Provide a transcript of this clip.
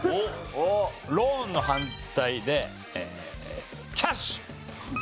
ローンの反対でキャッシュ。